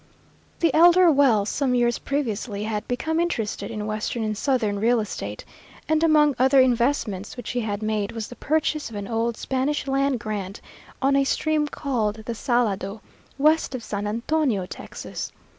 The elder Wells some years previously had become interested in western and southern real estate, and among other investments which he had made was the purchase of an old Spanish land grant on a stream called the Salado, west of San Antonio, Texas.